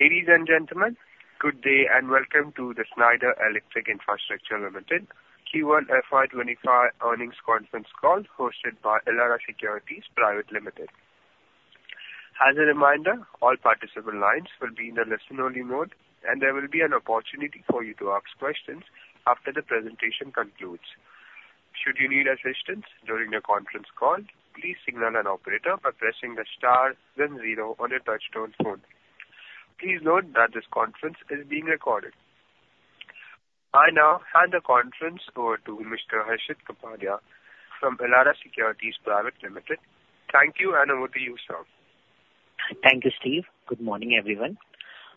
Ladies and gentlemen, good day, and welcome to the Schneider Electric Infrastructure Limited Q1 FY25 earnings conference call, hosted by Elara Securities Private Limited. As a reminder, all participant lines will be in a listen-only mode, and there will be an opportunity for you to ask questions after the presentation concludes. Should you need assistance during the conference call, please signal an operator by pressing the star then zero on your touchtone phone. Please note that this conference is being recorded. I now hand the conference over to Mr. Harshit Kapadia from Elara Securities Private Limited. Thank you, and over to you, sir. Thank you, Steve. Good morning, everyone.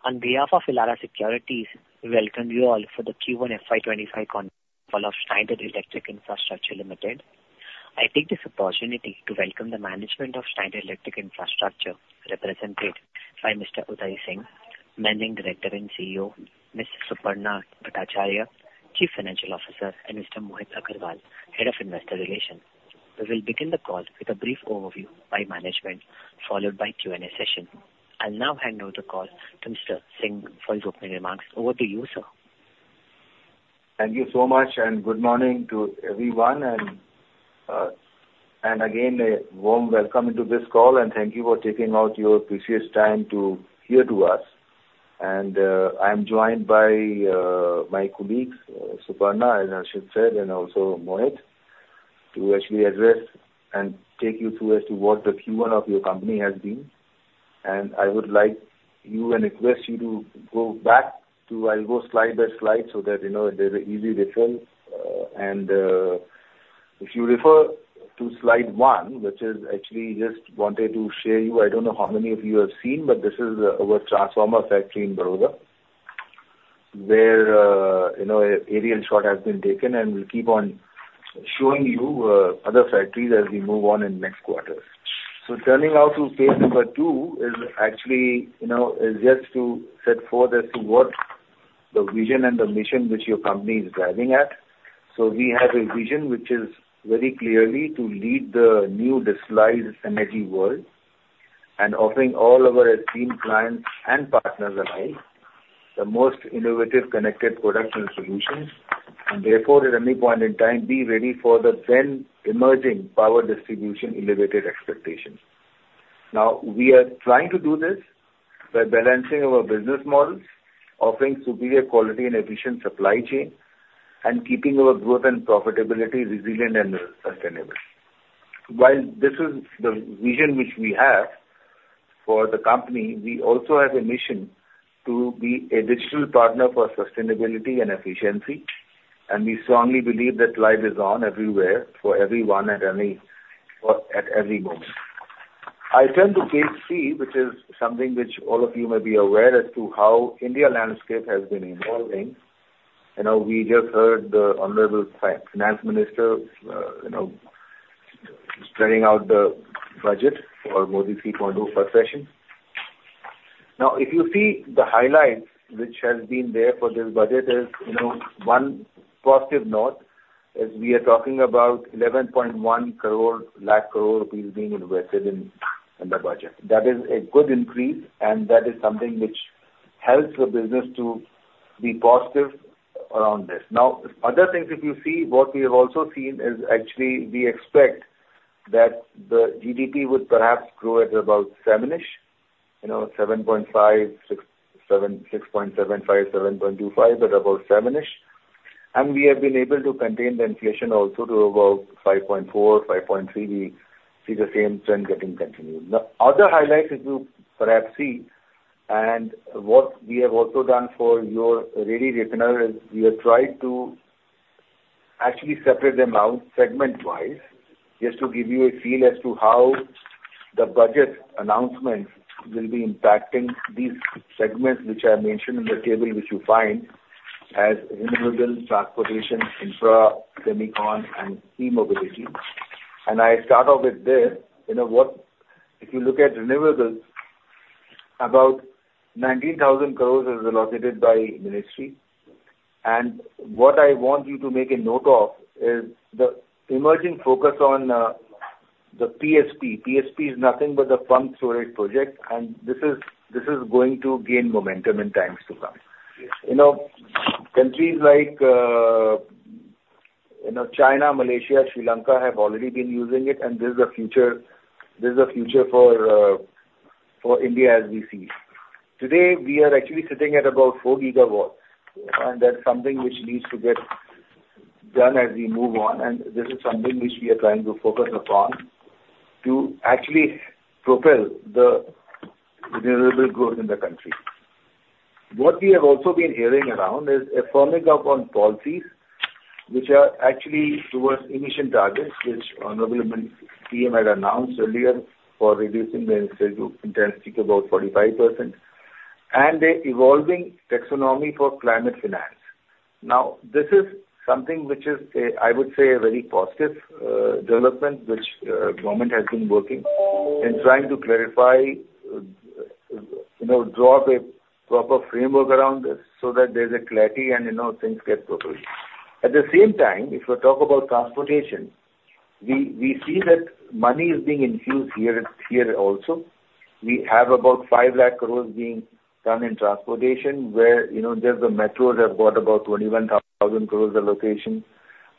On behalf of Elara Securities, we welcome you all for the Q1 FY25 conference call of Schneider Electric Infrastructure Limited. I take this opportunity to welcome the management of Schneider Electric Infrastructure, represented by Mr. Udai Singh, Managing Director and CEO, Ms. Suparna Bhattacharyya, Chief Financial Officer, and Mr. Mohit Agarwal, Head of Investor Relations. We will begin the call with a brief overview by management, followed by Q&A session. I'll now hand over the call to Mr. Singh for his opening remarks. Over to you, sir. Thank you so much, and good morning to everyone. And again, a warm welcome to this call, and thank you for taking out your precious time to hear to us. I'm joined by my colleagues, Suparna, as Harshit said, and also Mohit, to actually address and take you through as to what the Q1 of your company has been. And I would like you and request you to go back to... I'll go slide by slide so that, you know, there's an easy reference. And, if you refer to slide one, which is actually just wanted to show you, I don't know how many of you have seen, but this is our transformer factory in Baroda, where, you know, an aerial shot has been taken, and we'll keep on showing you other factories as we move on in next quarters. So turning now to page number two is actually, you know, is just to set forth as to what the vision and the mission which your company is driving at. So we have a vision which is very clearly to lead the new digitalized energy world, and offering all our esteemed clients and partners alike, the most innovative, connected products and solutions, and therefore, at any point in time, be ready for the then emerging power distribution innovative expectations. Now, we are trying to do this by balancing our business models, offering superior quality and efficient supply chain, and keeping our growth and profitability resilient and sustainable. While this is the vision which we have for the company, we also have a mission to be a digital partner for sustainability and efficiency, and we strongly believe that life is on everywhere, for everyone and any, or at every moment. I turn to page three, which is something which all of you may be aware as to how Indian landscape has been evolving. You know, we just heard the Honorable Finance Minister, you know, spreading out the budget for Modi 3.0 plus session. Now, if you see the highlights, which has been there for this budget, is, you know, one positive note is we are talking about 1,110,000 crore being invested in, in the budget. That is a good increase, and that is something which helps the business to be positive around this. Now, other things, if you see, what we have also seen is actually we expect that the GDP would perhaps grow at about 7-ish, you know, 7.5, 6, 7, 6.75, 7.25, but about 7-ish. And we have been able to contain the inflation also to about 5.4, 5.3. We see the same trend getting continued. The other highlight, if you perhaps see, and what we have also done for your ready reckoner, is we have tried to actually separate them out segment-wise, just to give you a feel as to how the budget announcements will be impacting these segments, which I mentioned in the table, which you find as renewables, transportation, infra, semicon and e-mobility. And I start off with this. You know what? If you look at renewables, about 19,000 crore is allocated by ministry. And what I want you to make a note of is the emerging focus on the PSP. PSP is nothing but the pump storage project, and this is going to gain momentum in times to come. You know, countries like, you know, China, Malaysia, Sri Lanka, have already been using it, and this is the future, this is the future for, for India, as we see. Today, we are actually sitting at about 4 gigawatts, and that's something which needs to get done as we move on, and this is something which we are trying to focus upon, to actually propel the renewable growth in the country. What we have also been hearing around is a firming up on policies which are actually towards emission targets, which Honorable PM had announced earlier, for reducing the intensity to about 45%, and an evolving taxonomy for climate finance. Now, this is something which is, I would say, a very positive development, which government has been working in trying to clarify, you know, draw up a proper framework around this so that there's a clarity and, you know, things get pushed. At the same time, if you talk about transportation... We see that money is being infused here, here also. We have about 500,000 crore being done in transportation, where, you know, there's a metro that got about 21,000 crore allocation,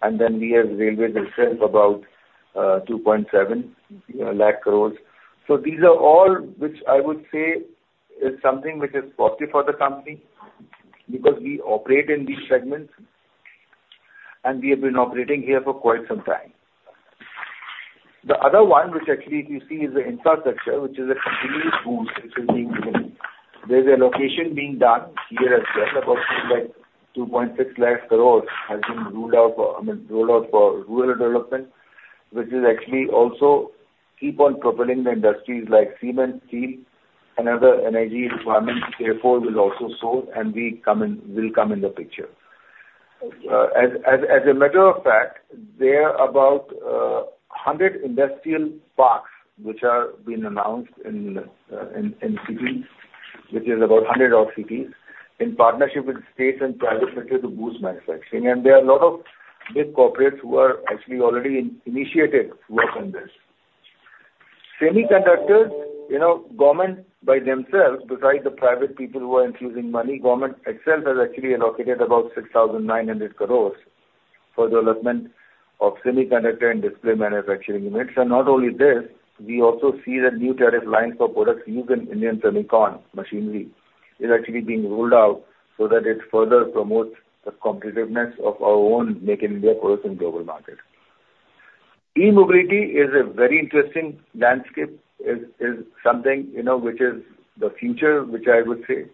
and then we as railways itself, about 270,000 crore. So these are all which I would say is something which is positive for the company, because we operate in these segments, and we have been operating here for quite some time. The other one, which actually if you see, is the infrastructure, which is a continuing tool which is being given. There's allocation being done here as well, about things like 260,000 crore has been rolled out for rural development, which is actually also keep on propelling the industries like cement, steel and other energy requirements, therefore will also soar and we'll come in the picture. As a matter of fact, there are about 100 industrial parks which are being announced in cities, which is about 100-odd cities, in partnership with state and private sector to boost manufacturing. There are a lot of big corporates who are actually already initiated work on this. Semiconductors, you know, government by themselves, besides the private people who are infusing money, government itself has actually allocated about 6,900 crore for development of semiconductor and display manufacturing units. Not only this, we also see that new tariff lines for products used in Indian semicon machinery is actually being rolled out, so that it further promotes the competitiveness of our own Make in India products in global market. E-mobility is a very interesting landscape. It is something, you know, which is the future, which I would say,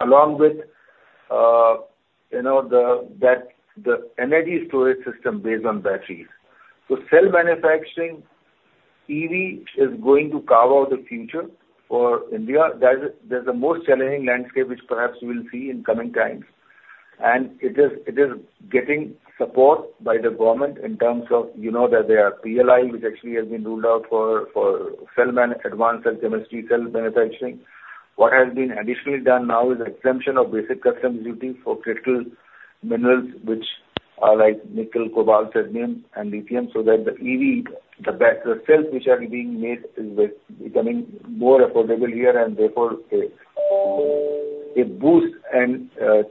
along with, you know, the, that the energy storage system based on batteries. So cell manufacturing, EV is going to carve out the future for India. That is. That's the most challenging landscape which perhaps we'll see in coming times. It is getting support by the government in terms of, you know, that there are PLI, which actually has been rolled out for cell manufacturing, advanced cell chemistry, cell manufacturing. What has been additionally done now is exemption of basic customs duty for critical minerals, which are like nickel, cobalt, cadmium and lithium, so that the EV, the battery cells which are being made are becoming more affordable here, and therefore, a boost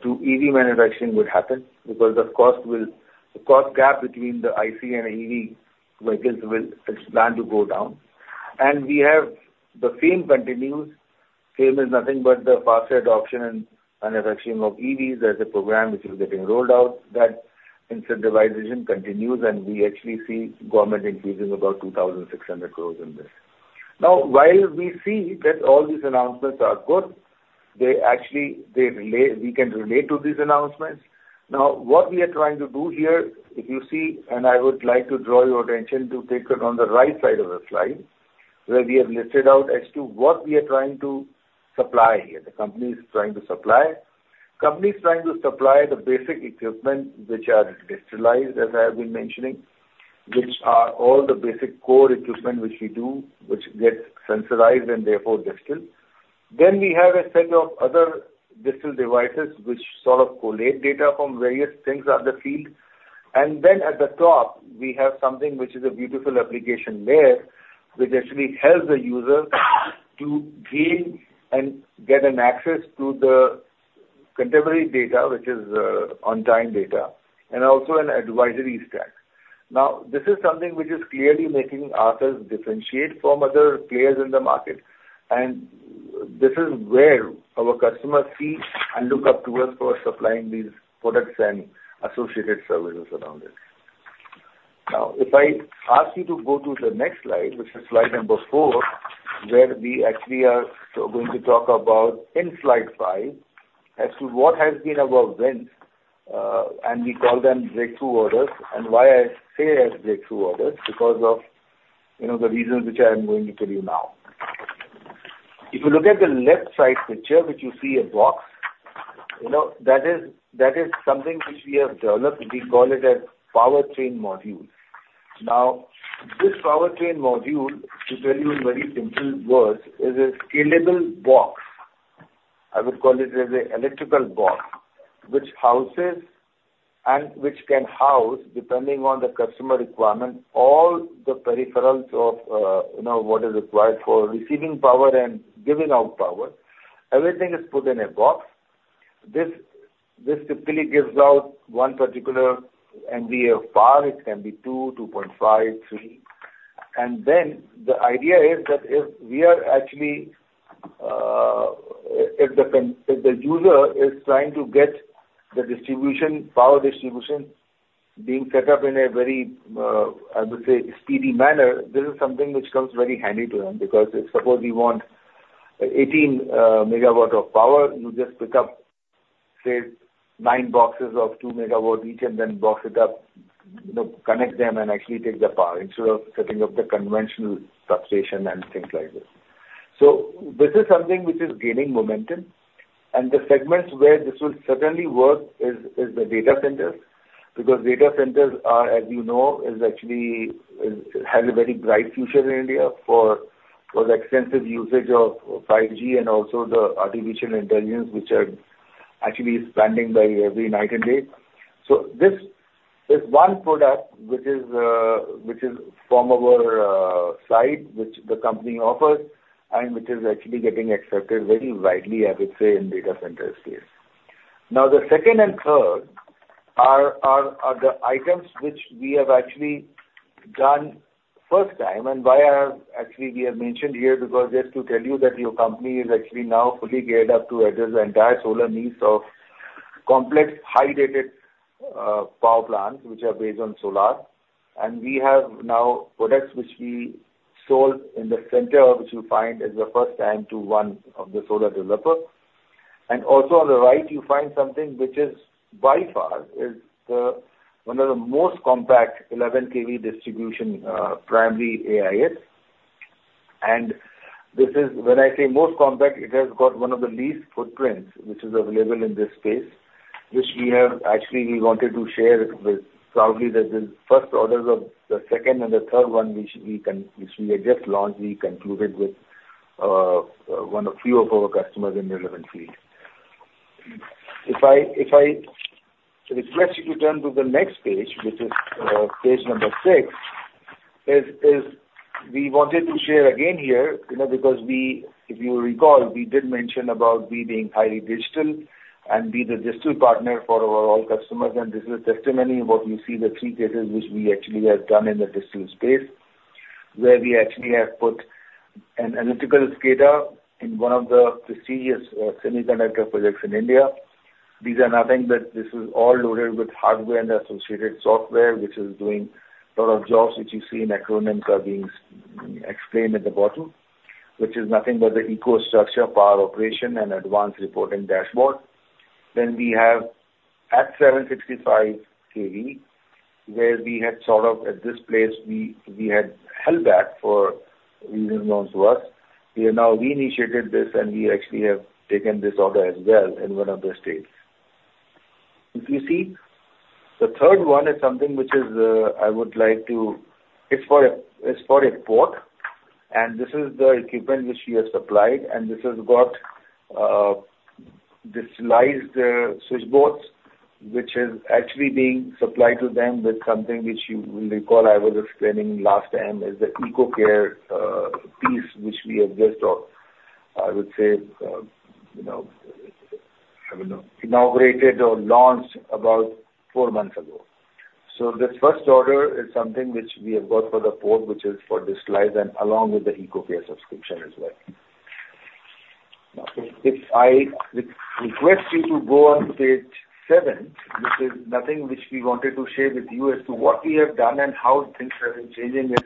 to EV manufacturing would happen. Because the cost, the cost gap between the IC and EV vehicles will plan to go down. And we have the FAME continues. FAME is nothing but the faster adoption and manufacturing of EVs. There's a program which is getting rolled out, that incentivization continues, and we actually see government increasing about 2,600 crore in this. Now, while we see that all these announcements are good, they actually, they relate—we can relate to these announcements. Now, what we are trying to do here, if you see, and I would like to draw your attention to take a look on the right side of the slide, where we have listed out as to what we are trying to supply here, the company is trying to supply. Company is trying to supply the basic equipment which are digitalized, as I have been mentioning, which are all the basic core equipment which we do, which gets sensorized and therefore digital. Then we have a set of other digital devices which sort of collate data from various things at the field. Then at the top, we have something which is a beautiful application layer, which actually helps the user to gain and get an access to the contemporary data, which is on time data, and also an advisory stack. Now, this is something which is clearly making EcoStruxure differentiate from other players in the market, and this is where our customers see and look up to us for supplying these products and associated services around it. Now, if I ask you to go to the next slide, which is slide number four, where we actually are going to talk about, in slide five, as to what has been our wins, and we call them breakthrough orders. And why I say as breakthrough orders, because of, you know, the reasons which I am going to tell you now. If you look at the left side picture, which you see a box, you know, that is, that is something which we have developed, we call it a Powertrain Module. Now, this Powertrain Module, to tell you in very simple words, is a scalable box. I would call it as a electrical box, which houses and which can house, depending on the customer requirement, all the peripherals of, you know, what is required for receiving power and giving out power. Everything is put in a box. This, this simply gives out 1 particular MVA of power. It can be 2, 2.5, 3. And then the idea is that if we are actually... If the user is trying to get the distribution, power distribution, being set up in a very, I would say, speedy manner, this is something which comes very handy to them. Because if suppose we want 18 MW of power, you just pick up, say, 9 boxes of 2 MW each and then box it up, you know, connect them and actually take the power, instead of setting up the conventional substation and things like this. So this is something which is gaining momentum, and the segments where this will certainly work is the data centers, because data centers are, as you know, is actually has a very bright future in India for the extensive usage of 5G and also the artificial intelligence, which actually is standing by every night and day. So this is one product which is, which is from our side, which the company offers, and which is actually getting accepted very widely, I would say, in data center space. Now, the second and third are the items which we have actually done first time, and why I have actually, we have mentioned here, because just to tell you that your company is actually now fully geared up to address the entire solar needs of complex, high-rated power plants, which are based on solar. And we have now products which we sold in the center, which you find is the first time to one of the solar developer. And also on the right, you find something which is, by far, is one of the most compact 11 kV distribution primary AIS. This is when I say most compact, it has got one of the least footprints which is available in this space, which we have actually wanted to share with, proudly, that the first orders of the second and the third one, which we have just launched, we concluded with one of few of our customers in relevant field. If I request you to turn to the next page, which is page number six, we wanted to share again here, you know, because if you recall, we did mention about we being highly digital and be the digital partner for our all customers. And this is a testimony what you see the three cases which we actually have done in the digital space, where we actually have put an analytical data in one of the prestigious semiconductor projects in India. These are nothing but this is all loaded with hardware and associated software, which is doing a lot of jobs, which you see in acronyms are being explained at the bottom, which is nothing but the EcoStruxure, power operation and advanced reporting dashboard. Then we have at 765 KV, where we had sort of at this place we had held back for reasons known to us. We have now reinitiated this, and we actually have taken this order as well in one of the states. If you see, the third one is something which is, I would like to... It's for a port, and this is the equipment which we have supplied, and this has got the Slice Switchboards, which is actually being supplied to them with something which you will recall I was explaining last time, is the EcoCare piece, which we have just, I would say, you know, I don't know, inaugurated or launched about 4 months ago. So this first order is something which we have got for the port, which is for the Slice and along with the EcoCare subscription as well. Now, if I request you to go on to page 7, this is nothing which we wanted to share with you as to what we have done and how things have been changing it.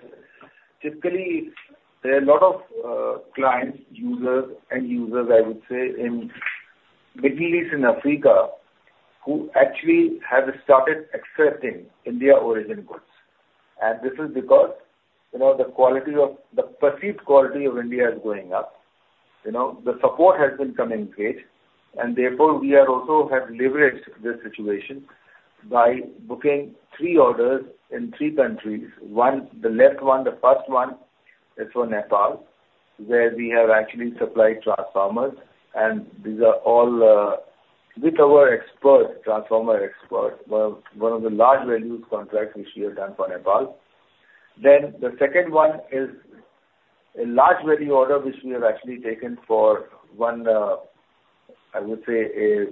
Typically, there are a lot of clients, users, end users, I would say, in Middle East and Africa, who actually have started accepting India origin goods. And this is because, you know, the quality of the perceived quality of India is going up. You know, the support has been coming great, and therefore we are also have leveraged this situation by booking three orders in three countries. One, the left one, the first one, is for Nepal, where we have actually supplied transformers, and these are all with our experts, transformer experts, one of, one of the large value contracts which we have done for Nepal. Then the second one is a large value order, which we have actually taken for one, I would say, a,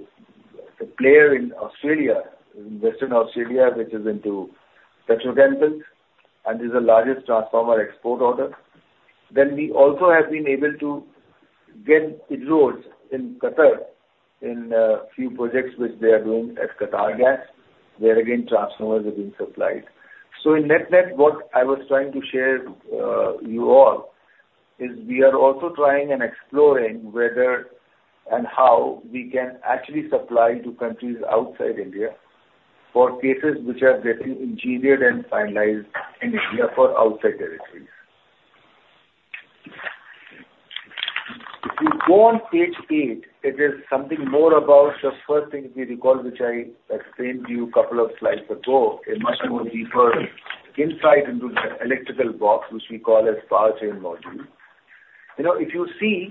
a player in Australia, in Western Australia, which is into petrochemicals, and is the largest transformer export order. Then we also have been able to get inroads in Qatar in, a few projects which they are doing at QatarGas, where again, transformers are being supplied. So in net-net, what I was trying to share, you all, is we are also trying and exploring whether and how we can actually supply to countries outside India for cases which are getting engineered and finalized in India for outside territories. If you go on page eight, it is something more about the first things we recall, which I explained to you a couple of slides ago, a much more deeper insight into the electrical box, which we call as powertrain module. You know, if you see,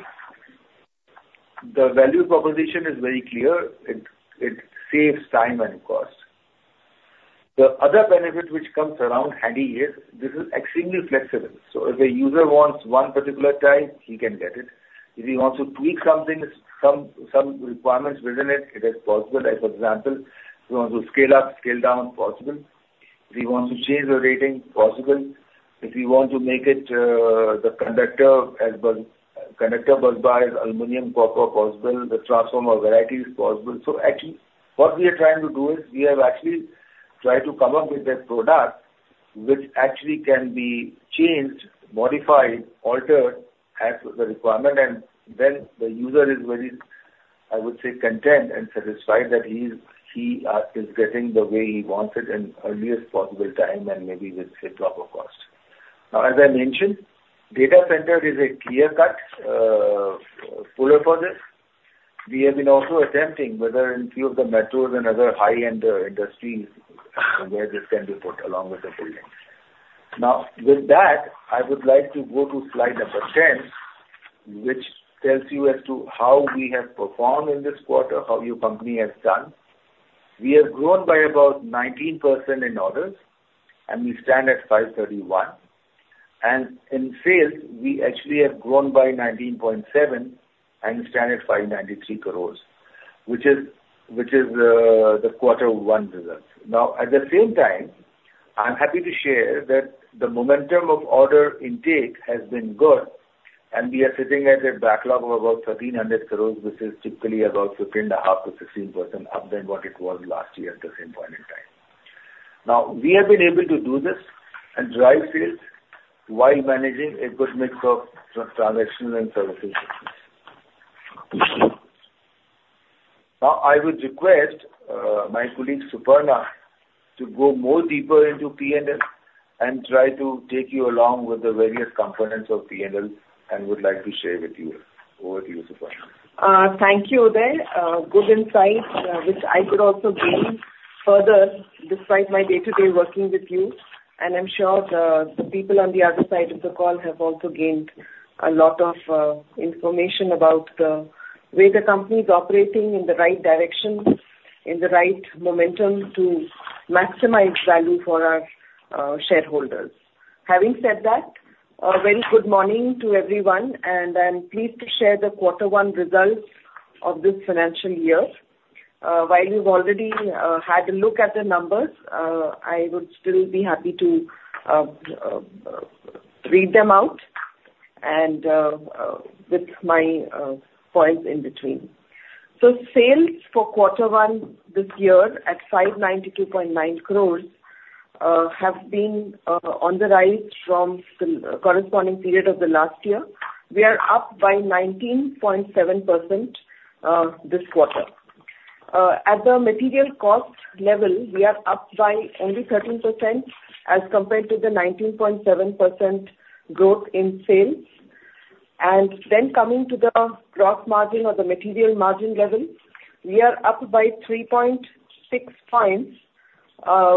the value proposition is very clear. It, it saves time and cost. The other benefit which comes around handy here, this is extremely flexible. So if a user wants one particular type, he can get it. If he wants to tweak something, some requirements within it, it is possible. Like, for example, if you want to scale up, scale down, it's possible. If you want to change the rating, possible. If you want to make it the conductor as well, conductor busbar, aluminum, copper, possible. The transformer varieties, possible. So actually, what we are trying to do is, we have actually tried to come up with a product which actually can be changed, modified, altered as per the requirement, and then the user is very, I would say, content and satisfied that he is getting the way he wants it in earliest possible time and maybe with a drop of cost. Now, as I mentioned, data center is a clear-cut puller for this. We have been also attempting, whether in few of the metros and other high-end industries, where this can be put along with the buildings... Now, with that, I would like to go to slide number 10, which tells you as to how we have performed in this quarter, how your company has done. We have grown by about 19% in orders, and we stand at 531 crore. And in sales, we actually have grown by 19.7%, and we stand at 593 crore, which is, which is, the quarter one results. Now, at the same time, I'm happy to share that the momentum of order intake has been good, and we are sitting at a backlog of about 1,300 crore, which is typically about 15.5%-16% up than what it was last year at the same point in time. Now, we have been able to do this and drive sales while managing a good mix of transactional and services. Now, I would request my colleague, Suparna, to go more deeper into PNL and try to take you along with the various components of PNL, and would like to share with you. Over to you, Suparna. Thank you, Udai. Good insight, which I could also gain further, despite my day-to-day working with you. And I'm sure the, the people on the other side of the call have also gained a lot of information about the way the company is operating in the right direction, in the right momentum to maximize value for our shareholders. Having said that, a very good morning to everyone, and I'm pleased to share the Quarter One results of this financial year. While you've already had a look at the numbers, I would still be happy to read them out and with my points in between. So sales for Quarter One this year at 592.9 crores have been on the rise from the corresponding period of the last year. We are up by 19.7%, this quarter. At the material cost level, we are up by only 13% as compared to the 19.7% growth in sales. And then coming to the gross margin or the material margin level, we are up by 3.6 points,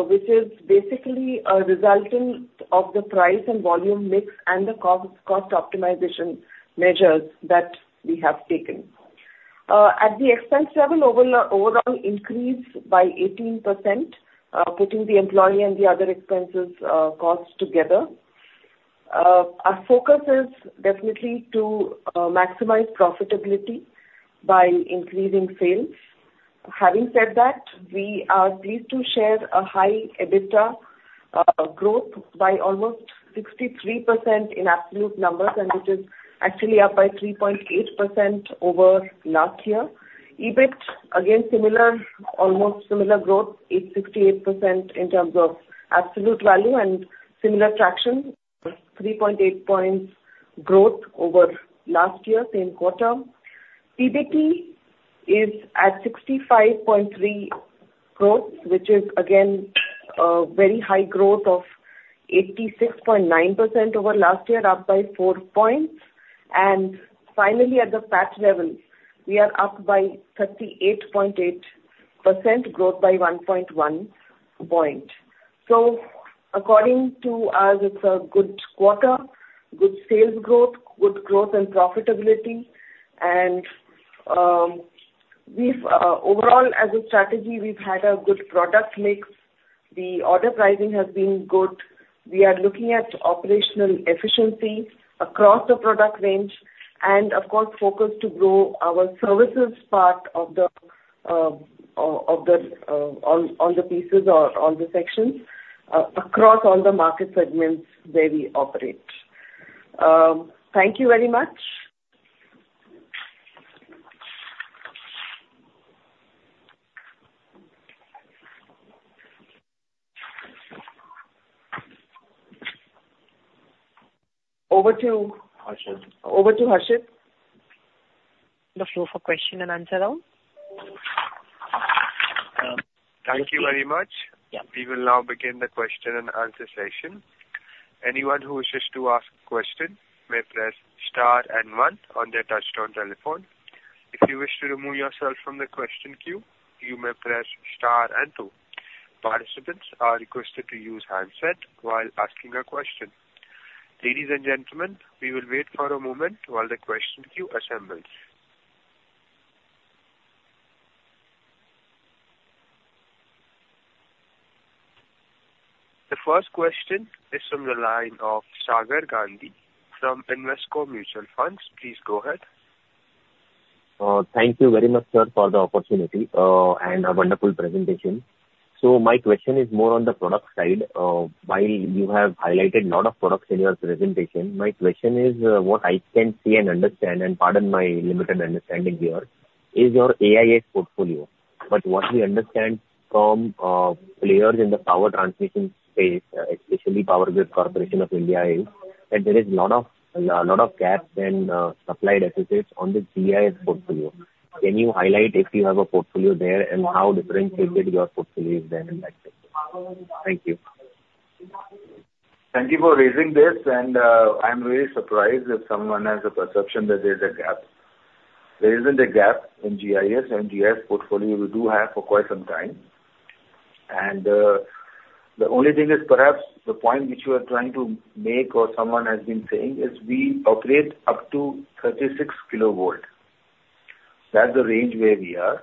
which is basically a resultant of the price and volume mix and the cost, cost optimization measures that we have taken. At the expense level, overall increase by 18%, putting the employee and the other expenses, costs together. Our focus is definitely to maximize profitability by increasing sales. Having said that, we are pleased to share a high EBITDA growth by almost 63% in absolute numbers, and it is actually up by 3.8% over last year. EBIT, again, similar, almost similar growth, it's 68% in terms of absolute value and similar traction, 3.8 points growth over last year, same quarter. PBT is at 65.3 growth, which is, again, a very high growth of 86.9% over last year, up by 4 points. And finally, at the PAT level, we are up by 38.8%, growth by 1.1 points. So according to us, it's a good quarter, good sales growth, good growth and profitability. And, overall, as a strategy, we've had a good product mix. The order pricing has been good. We are looking at operational efficiency across the product range and of course focus to grow our services part of the all the pieces or all the sections across all the market segments where we operate. Thank you very much. Over to- Harshil. Over to Harshit. The floor for question and answer now. Thank you very much. Yeah. We will now begin the question and answer session. Anyone who wishes to ask a question may press star and one on their touch-tone telephone. If you wish to remove yourself from the question queue, you may press star and two. Participants are requested to use handset while asking a question. Ladies and gentlemen, we will wait for a moment while the question queue assembles. The first question is from the line of Sagar Gandhi from Invesco Mutual Fund. Please go ahead. Thank you very much, sir, for the opportunity, and a wonderful presentation. So my question is more on the product side. While you have highlighted a lot of products in your presentation, my question is, what I can see and understand, and pardon my limited understanding here, is your AIS portfolio. But what we understand from, players in the power transmission space, especially Power Grid Corporation of India, is that there is a lot of, lot of gaps and, supply deficits on the GIS portfolio. Can you highlight if you have a portfolio there, and how differentiated your portfolio is there in that sector? Thank you. Thank you for raising this, and I'm really surprised that someone has a perception that there's a gap. There isn't a gap in GIS, MV GIS portfolio we do have for quite some time. And the only thing is perhaps the point which you are trying to make or someone has been saying, is we operate up to 36 kilovolt. That's the range where we are.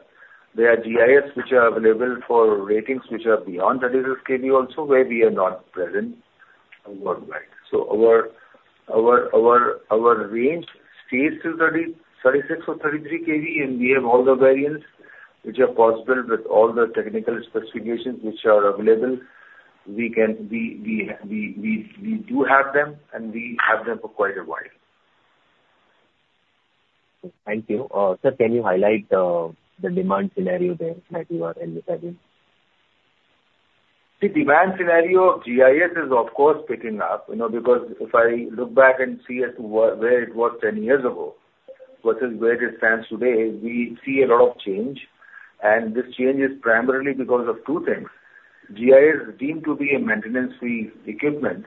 There are GIS which are available for ratings, which are beyond 36 KV also, where we are not present worldwide. So our range stays to 36 or 33 KV, and we have all the variants which are possible with all the technical specifications which are available. We do have them, and we have them for quite a while. Thank you. Sir, can you highlight the demand scenario there, that you are anticipating? The demand scenario of GIS is of course picking up, you know, because if I look back and see at where it was 10 years ago, versus where it stands today, we see a lot of change. And this change is primarily because of two things: GIS is deemed to be a maintenance-free equipment,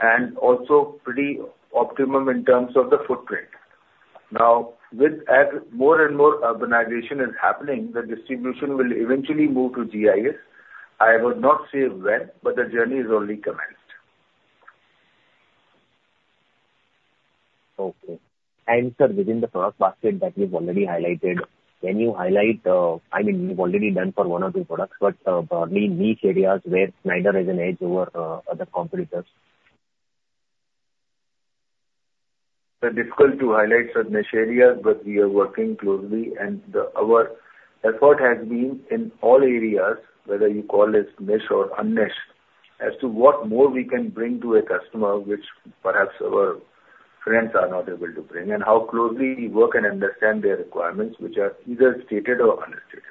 and also pretty optimum in terms of the footprint. Now, with as more and more urbanization is happening, the distribution will eventually move to GIS. I would not say when, but the journey is only commenced. Okay. And sir, within the product basket that you've already highlighted, can you highlight, I mean, you've already done for one or two products, but, probably niche areas where Schneider has an edge over other competitors? It's difficult to highlight such niche areas, but we are working closely. And our effort has been in all areas, whether you call it niche or un-niche, as to what more we can bring to a customer, which perhaps our friends are not able to bring, and how closely we work and understand their requirements, which are either stated or unstated.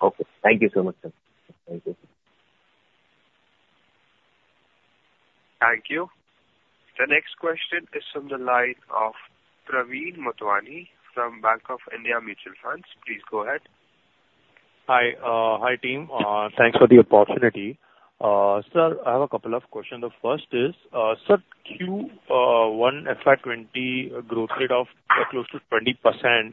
Okay. Thank you so much, sir. Thank you. Thank you. The next question is from the line of Parveen Motwani from Bank of India Mutual Fund. Please go ahead. Hi, hi, team. Thanks for the opportunity. Sir, I have a couple of questions. The first is, sir, Q1 FY20 growth rate of close to 20%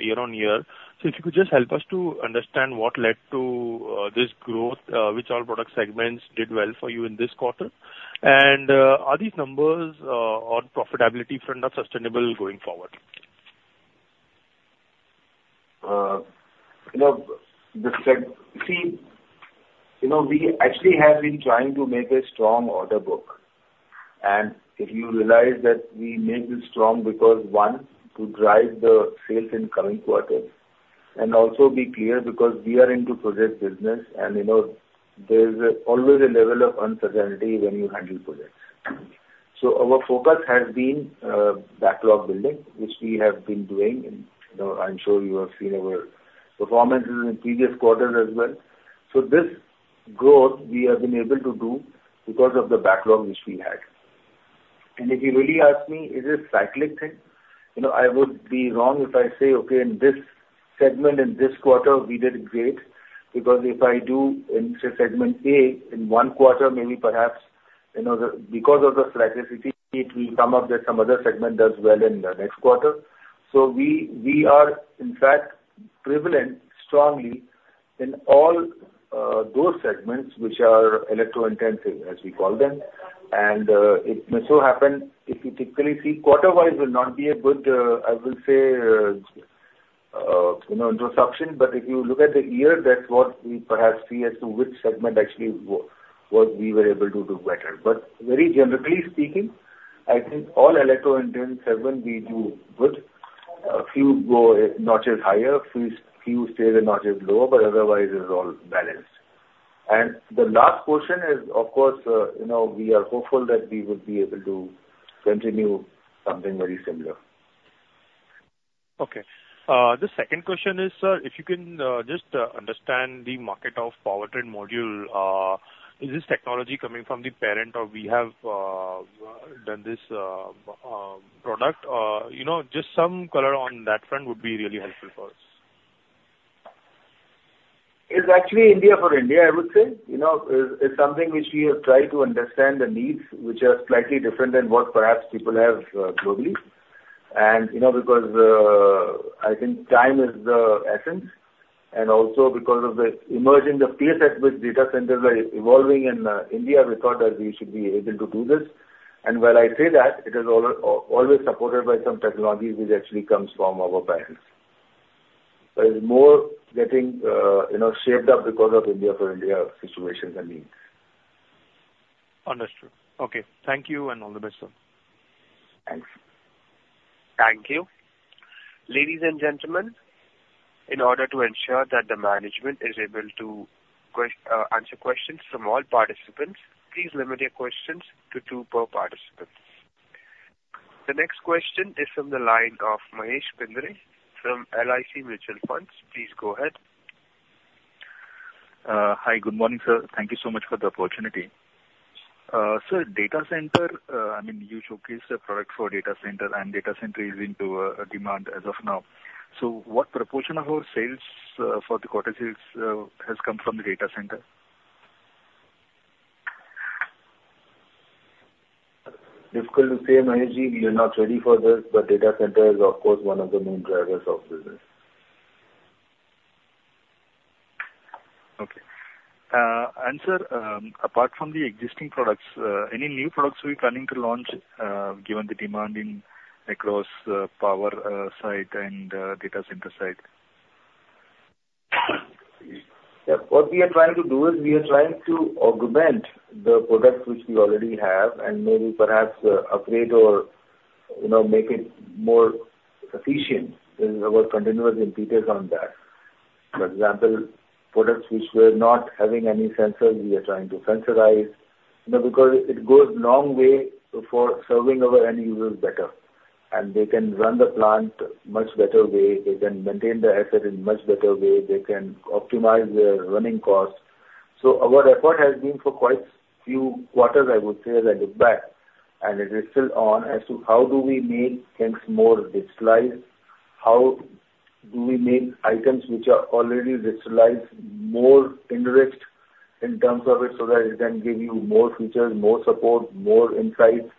year-on-year. So if you could just help us to understand what led to this growth, which all product segments did well for you in this quarter? And, are these numbers on profitability front are sustainable going forward? You know, we actually have been trying to make a strong order book. And if you realize that we made it strong because, one, to drive the sales in coming quarters, and also be clear, because we are into project business, and, you know, there's always a level of uncertainty when you handle projects. So our focus has been backlog building, which we have been doing, and, you know, I'm sure you have seen our performances in previous quarters as well. So this growth we have been able to do because of the backlog which we had. And if you really ask me, is this cyclic thing? You know, I would be wrong if I say, "Okay, in this segment, in this quarter, we did great." Because if I do in, say, segment A in one quarter, maybe perhaps, you know, because of the cyclicity, it will come up that some other segment does well in the next quarter. So we, we are, in fact, prevalent strongly in all, those segments which are electro-intensive, as we call them. And, it may so happen, if you typically see quarter-wise will not be a good, I will say, you know, introduction. But if you look at the year, that's what we perhaps see as to which segment actually what we were able to do better. But very generally speaking, I think all electro-intensive segment we do good. A few go notches higher, few stay the notches lower, but otherwise it is all balanced. The last question is, of course, you know, we are hopeful that we would be able to continue something very similar. Okay. The second question is, sir, if you can just understand the market of Powertrain Module. Is this technology coming from the parent, or we have done this product? You know, just some color on that front would be really helpful for us. It's actually India for India, I would say. You know, it's something which we have tried to understand the needs, which are slightly different than what perhaps people have globally. And, you know, because I think time is the essence, and also because of the emergence of pace at which data centers are evolving in India, we thought that we should be able to do this. And when I say that, it is always supported by some technologies which actually comes from our parents. But it's more getting, you know, shaped up because of India for India situations and needs. Understood. Okay. Thank you, and all the best, sir. Thanks. Thank you. Ladies and gentlemen, in order to ensure that the management is able to answer questions from all participants, please limit your questions to two per participant. The next question is from the line of Mahesh Bendre from LIC Mutual Fund. Please go ahead. Hi. Good morning, sir. Thank you so much for the opportunity. Sir, Data Center, I mean, you showcased a product for Data Center, and Data Center is into demand as of now. So what proportion of our sales for the quarter sales has come from the Data Center? ... Difficult to say, Mahesh, we are not ready for this, but data center is of course, one of the main drivers of business. Okay. And sir, apart from the existing products, any new products we planning to launch, given the demand in across power, site and data center site? Yeah. What we are trying to do is, we are trying to augment the products which we already have, and maybe perhaps, upgrade or, you know, make it more efficient. And we're continuously in details on that. For example, products which were not having any sensors, we are trying to sensorize, you know, because it goes a long way for serving our end users better. And they can run the plant much better way, they can maintain the asset in much better way, they can optimize their running costs. So our effort has been for quite few quarters, I would say, as I look back, and it is still on as to how do we make things more digitalized? How do we make items which are already digitalized more interest in terms of it, so that it can give you more features, more support, more insights.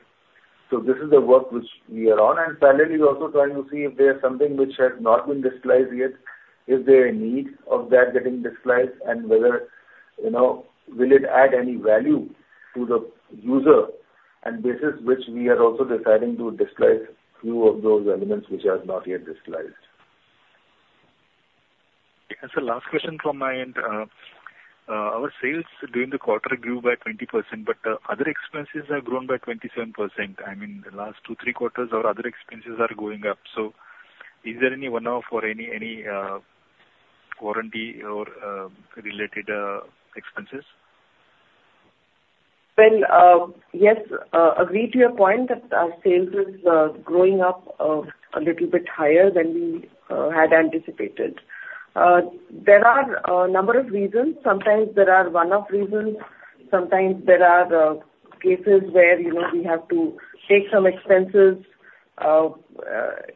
So this is the work which we are on, and parallelly, we're also trying to see if there's something which has not been digitized yet. Is there a need of that getting digitized, and whether, you know, will it add any value to the user? And this is which we are also deciding to digitize few of those elements which are not yet digitized. Sir, last question from my end. Our sales during the quarter grew by 20%, but the other expenses have grown by 27%. I mean, the last two, three quarters, our other expenses are going up. So is there any one-off or any warranty or related expenses? Well, yes, agree to your point that our sales is growing up a little bit higher than we had anticipated. There are a number of reasons. Sometimes there are one-off reasons, sometimes there are cases where, you know, we have to take some expenses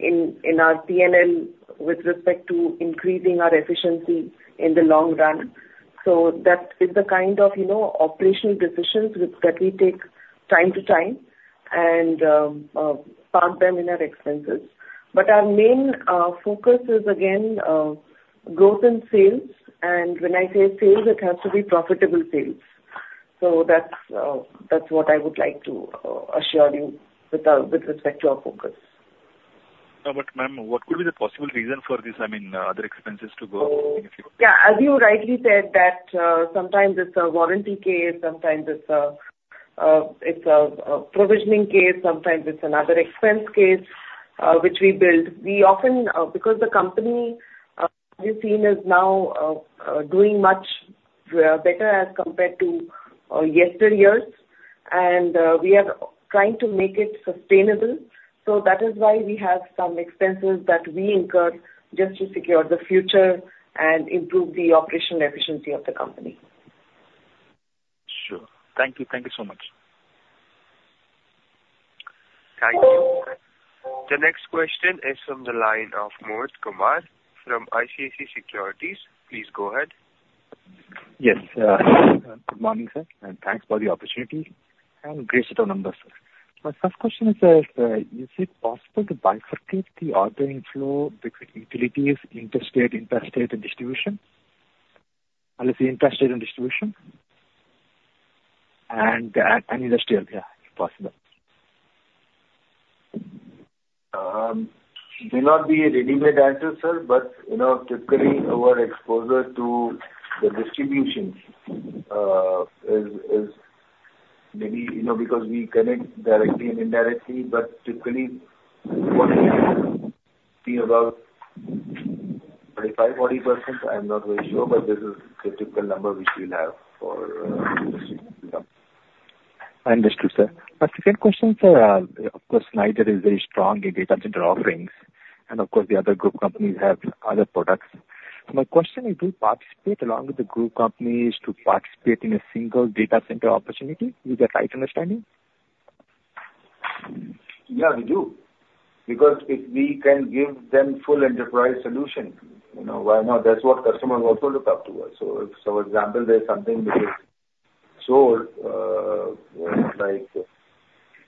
in our PNL with respect to increasing our efficiency in the long run. So that is the kind of, you know, operational decisions which that we take time to time and park them in our expenses. But our main focus is again growth in sales, and when I say sales, it has to be profitable sales. So that's that's what I would like to assure you with with respect to our focus. But ma'am, what could be the possible reason for this? I mean, other expenses to go up? Yeah, as you rightly said, that, sometimes it's a warranty case, sometimes it's a, it's a provisioning case, sometimes it's another expense case, which we build. We often, because the company, we've seen is now doing much better as compared to yesteryears, and we are trying to make it sustainable. So that is why we have some expenses that we incur just to secure the future and improve the operational efficiency of the company. Sure. Thank you. Thank you so much. Thank you. The next question is from the line of Mohit Kumar from ICICI Securities. Please go ahead. Yes, good morning, sir, and thanks for the opportunity, and gracing us with the numbers, sir. My first question is, is it possible to bifurcate the ordering flow between utilities, interstate, intrastate, and distribution? Unless the intrastate and distribution, and industrial, yeah, if possible. May not be a ready-made answer, sir, but you know, typically, our exposure to the distribution is maybe, you know, because we connect directly and indirectly, but typically be about 35%-40%. I'm not very sure, but this is the typical number which we'll have for distribution. I understand, sir. My second question, sir, of course, Schneider is very strong in data center offerings, and of course, the other group companies have other products. My question is, do you participate along with the group companies to participate in a single data center opportunity? Is that right understanding? Yeah, we do. Because if we can give them full enterprise solution, you know, why not? That's what customers also look up to us. So if, for example, there's something which is sold, like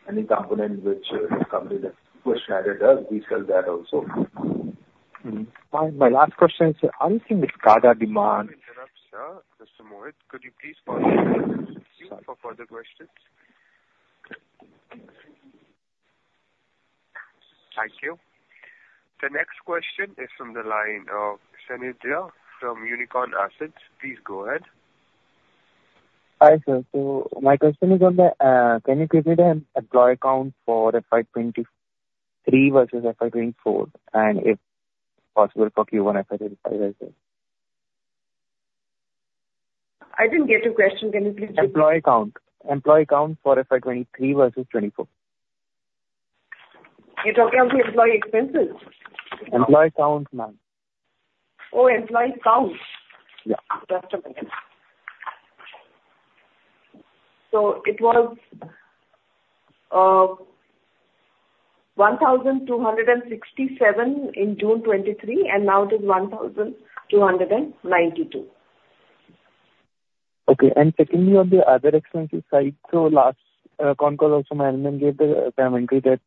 any component which a company like Schneider does, we sell that also. My last question, sir, how do you think the data demand- Sorry to interrupt, sir. Mr. Mohit, could you please pause for further questions? Thank you. The next question is from the line of Sanidhya from Unicorn Assets. Please go ahead. Hi, sir. So my question is on the, can you please give an employee count for FY 23 versus FY 24? And if possible, for Q1 FY 25 as well. I didn't get your question. Can you please- Employee count. Employee count for FY 2023 versus 2024. You're talking of the employee expenses? Employee count, ma'am. Oh, employee count? Yeah. Just a minute. So it was 1,267 in June 2023, and now it is 1,292. Okay. And secondly, on the other expenses side, so last Concall also management gave the commentary that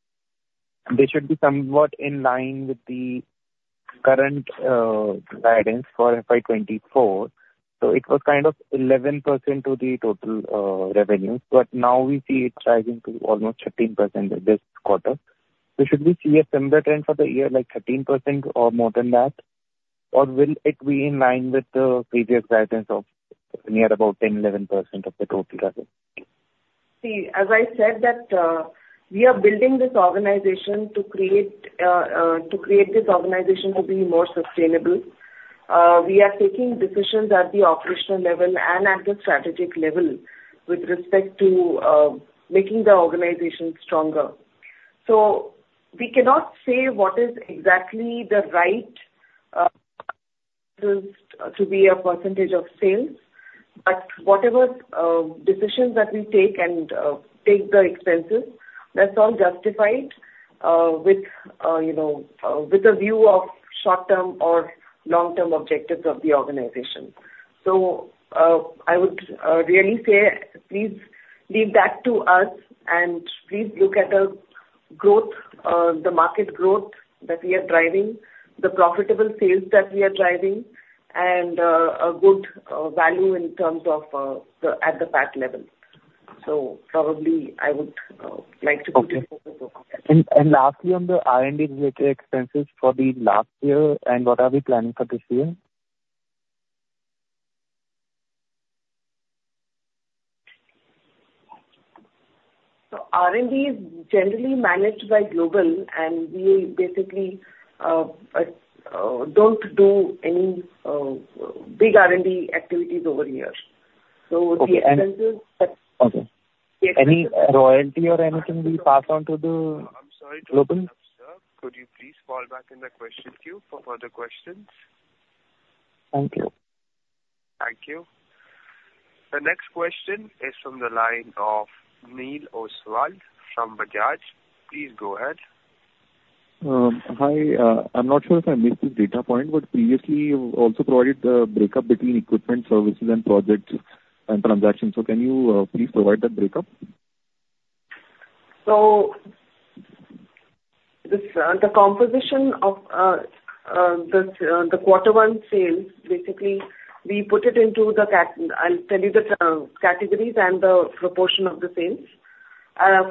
they should be somewhat in line with the current guidance for FY 2024. So it was kind of 11% of the total revenue, but now we see it rising to almost 13% this quarter. So should we see a similar trend for the year, like 13% or more than that? Or will it be in line with the previous guidance of near about 10, 11% of the total revenue? See, as I said, that, we are building this organization to create, to create this organization to be more sustainable. We are taking decisions at the operational level and at the strategic level with respect to, making the organization stronger. So we cannot say what is exactly the right, to, to be a percentage of sales, but whatever, decisions that we take and, take the expenses, that's all justified, with, you know, with a view of short-term or long-term objectives of the organization. So, I would, really say, please leave that to us, and please look at the growth, the market growth that we are driving, the profitable sales that we are driving, and, a good, value in terms of, the, at the PAT level. Probably I would like to put it that way. Okay. And lastly, on the R&D related expenses for the last year, and what are we planning for this year? So R&D is generally managed by global, and we basically don't do any big R&D activities over here. So the expenses- Okay. Any royalty or anything we pass on to the- I'm sorry to interrupt, sir. Could you please fall back in the question queue for further questions? Thank you. Thank you. The next question is from the line of Neil Ostwal from Bajaj. Please go ahead. Hi, I'm not sure if I missed this data point, but previously you also provided the breakup between equipment, services and projects and transactions. Can you please provide that breakup? So this, the composition of the quarter one sales, basically, I'll tell you the categories and the proportion of the sales.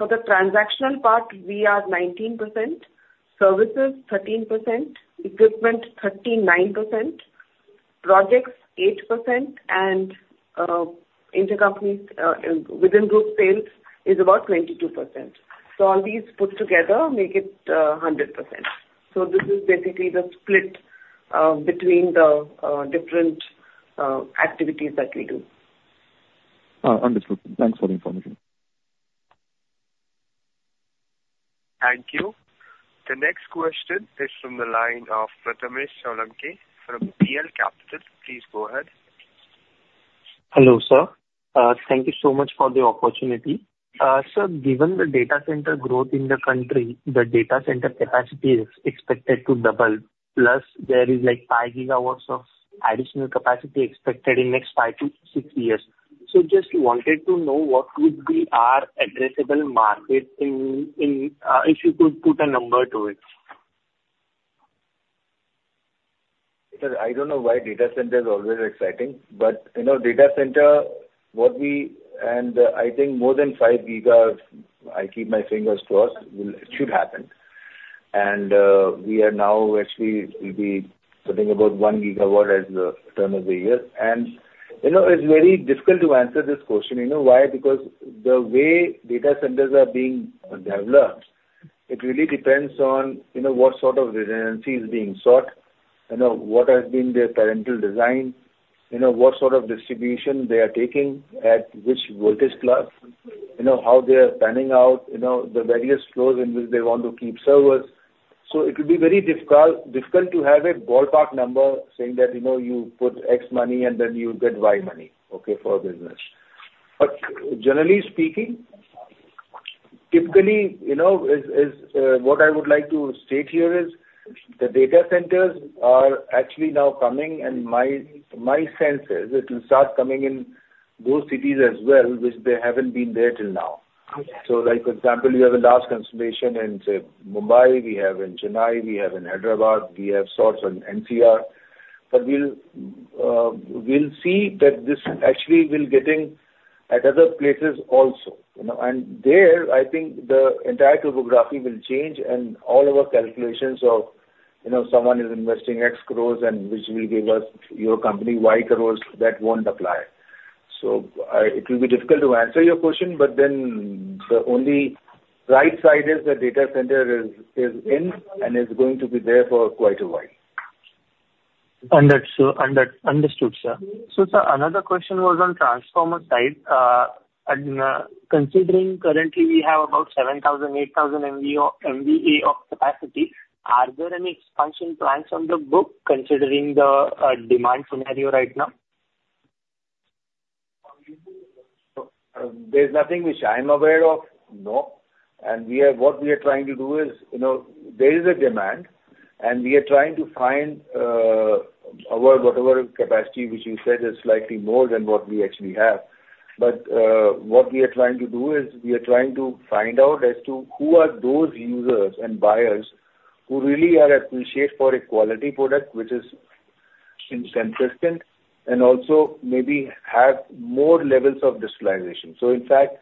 For the transactional part, we are 19%; services, 13%; equipment, 39%; projects, 8%; and intercompany, within group sales is about 22%. So all these put together make it 100%. So this is basically the split between the different activities that we do. Understood. Thanks for the information. Thank you. The next question is from the line of Prathamesh Cholatkar from PL Capital. Please go ahead. Hello, sir. Thank you so much for the opportunity. So given the data center growth in the country, the data center capacity is expected to double, plus there is like 5 GW of additional capacity expected in the next 5-6 years. So just wanted to know what would be our addressable market in if you could put a number to it? Sir, I don't know why Data Center is always exciting, but, you know, Data Center, what we... And I think more than 5 gigas, I keep my fingers crossed, will - it should happen. And, we are now actually, we'll be putting about 1 gigawatt as the turn of the year. And, you know, it's very difficult to answer this question. You know why? Because the way Data Centers are being developed, it really depends on, you know, what sort of resiliency is being sought, you know, what has been their parental design, you know, what sort of distribution they are taking, at which voltage class, you know, how they are planning out, you know, the various floors in which they want to keep servers. So it will be very difficult to have a ballpark number saying that, you know, you put X money and then you get Y money, okay, for business. But generally speaking, typically, you know, what I would like to state here is, the data centers are actually now coming, and my sense is it will start coming in those cities as well, which they haven't been there till now. So like, for example, we have a large installation in, say, Mumbai, we have in Chennai, we have in Hyderabad, we have in NCR. But we'll see that this actually will getting at other places also, you know. And there, I think the entire topography will change and all our calculations of, you know, someone is investing X crores and which will give us, your company, Y crores, that won't apply. It will be difficult to answer your question, but then the only right side is the data center is in and is going to be there for quite a while. Understood. Understood, sir. So, sir, another question was on transformer side. And considering currently we have about 7,000-8,000 MVA of capacity, are there any expansion plans on the book considering the demand scenario right now? There's nothing which I'm aware of, no. And we are—what we are trying to do is, you know, there is a demand, and we are trying to find our, whatever capacity which you said is slightly more than what we actually have. But, what we are trying to do is, we are trying to find out as to who are those users and buyers who really appreciate for a quality product, which is consistent, and also maybe have more levels of digitalization. So in fact,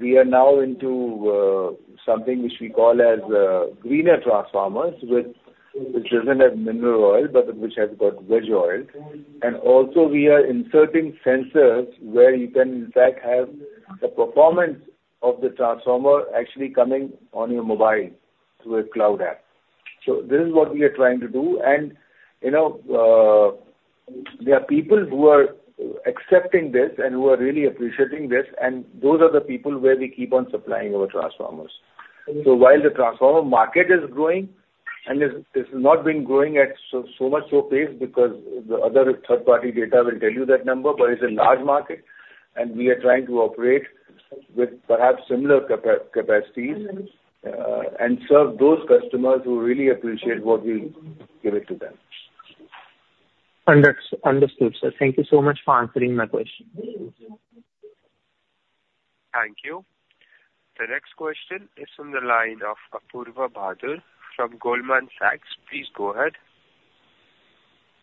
we are now into something which we call as greener transformers, with which isn't a mineral oil, but which has got veg oil. And also we are inserting sensors where you can, in fact, have the performance of the transformer actually coming on your mobile through a cloud app. So this is what we are trying to do. You know, there are people who are accepting this and who are really appreciating this, and those are the people where we keep on supplying our transformers. So while the transformer market is growing and is not been growing at so much so pace, because the other third party data will tell you that number, but it's a large market, and we are trying to operate with perhaps similar capacities and serve those customers who really appreciate what we give it to them. Understood, sir. Thank you so much for answering my question. Thank you. The next question is from the line of Apurva Bahadur from Goldman Sachs. Please go ahead.